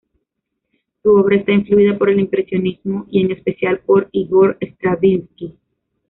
Su obra está influida por el impresionismo y en especial por Igor Stravinsky.